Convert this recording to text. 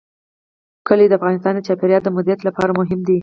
کلي د افغانستان د چاپیریال د مدیریت لپاره مهم دي.